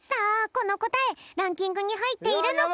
このこたえランキングにはいっているのか？